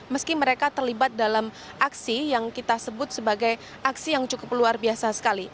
meski mereka terlibat dalam aksi yang kita sebut sebagai aksi yang cukup luar biasa sekali